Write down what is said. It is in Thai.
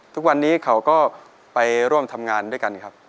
ทุกวันนี้เขาก็ไปร่วมทำงานด้วยกันครับ